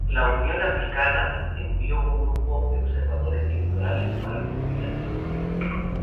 La Unión Africana envió un grupo de observadores electorales para cubrir las elecciones.